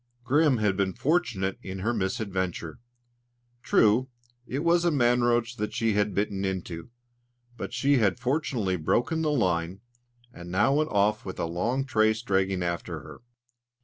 Grim had been fortunate in her misadventure. True, it was a man roach that she had bitten into, but she had fortunately broken the line, and now went off with a long trace dragging after her.